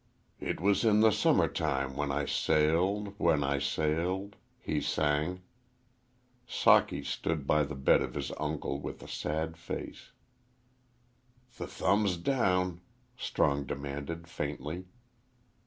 "It was in the summer time when I sailed, when I sailed," he sang. Socky stood by the bed of his uncle with a sad face. "Th thumbs down," Strong demanded, faintly.